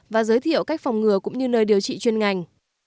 và giới thiệu cách phòng ngừa cũng như nơi điều trị chuyên ngành